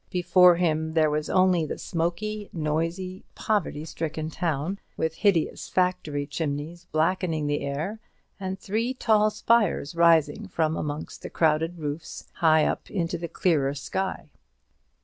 Before him there was only the smoky, noisy, poverty stricken town, with hideous factory chimneys blackening the air, and three tall spires rising from amongst the crowded roofs high up into the clearer sky.